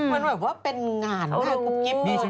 มันแบบว่าเป็นงานไหมครับกูเพียงเจ้า